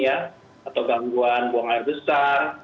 atau gangguan buang air besar